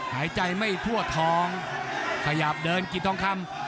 หายใจไม่ทั่วทองขยับเดินกิจทองคำ